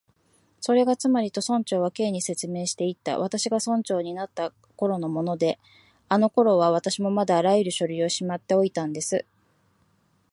「それがつまり」と、村長は Ｋ に説明していった「私が村長になったころのもので、あのころは私もまだあらゆる書類をしまっておいたんです」